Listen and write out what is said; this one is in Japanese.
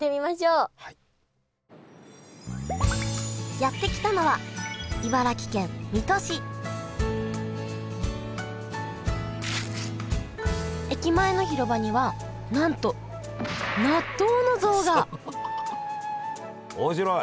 やって来たのは茨城県水戸市駅前の広場にはなんと納豆の像が面白い！